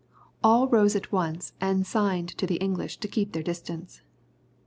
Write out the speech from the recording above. All rose at once and signed to the English to keep their distance.